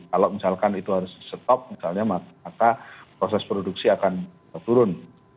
kalau misalkan itu harus di stop misalnya maka proses produksi akan turun